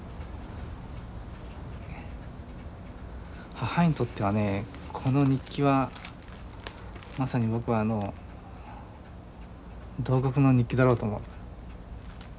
母にとってはねこの日記はまさに僕は慟哭の日記だろうと思う。